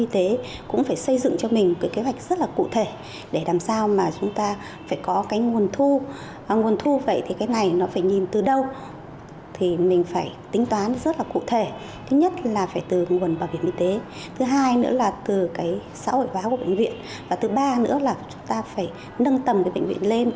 thứ nhất là phải từ nguồn bảo hiểm y tế thứ hai nữa là từ xã hội báo của bệnh viện và thứ ba nữa là chúng ta phải nâng tầm bệnh viện lên